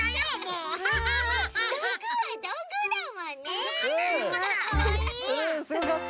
うんすごかった！